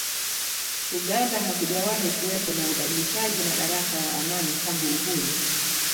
Uganda hakujawahi kuwepo na ubadilishanaji madaraka wa amani tangu uhuru